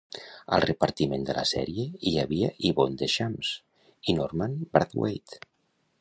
Al repartiment de la sèrie hi havia Yvon Deschamps i Normand Brathwaite.